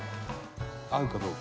合うかどうか。